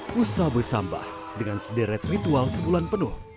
pusa bersambah dengan sederet ritual sebulan penuh